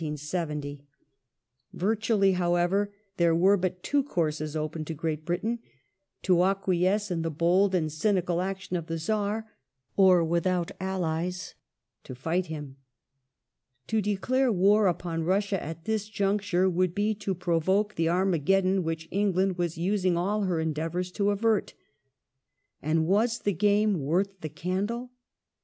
Vir tually, however, there were but two courses open to Great Britain : to acquiesce in the bold and cynical action of the Czar, or, without allies, to fight him. To declare war upon Russia, at this j uncture, would be to provoke the Armageddon which England was using all her endeavours to avert. And was the game worth the candle